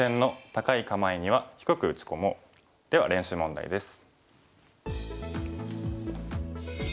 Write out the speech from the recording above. では練習問題です。